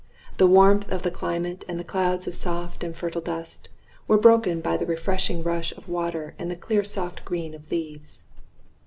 The warmth of the climate and the clouds of soft and fertile dust were broken by the refreshing rush of water and the clear soft green of leaves.